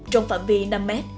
trong phạm vi năm m